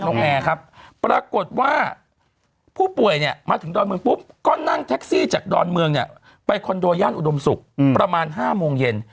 แอร์ครับปรากฏว่าผู้ป่วยเนี่ยมาถึงดอนเมืองปุ๊บก็นั่งแท็กซี่จากดอนเมืองเนี่ยไปคอนโดย่านอุดมศุกร์ประมาณ๕โมงเย็น